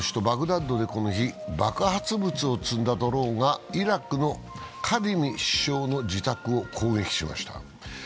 イラクの首都・バグダッドでこの日爆発物を積んだドローンがイラク・カディミ首相の自宅を攻撃しました。